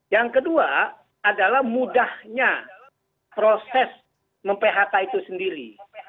yang kedua adalah mudahnya proses mem phk itu sendiri